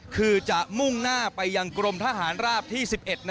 คือจะมุ่งหน้าไปยังกรมทหารราบที่๑๑